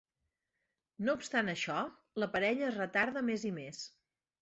No obstant això, la parella es retarda més i més.